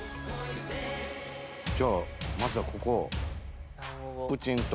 じゃあまずはここをプチンと。